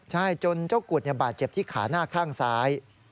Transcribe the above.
ใช่จนเจ้ากุฎบาดเจ็บที่ขาหน้าข้างซ้าย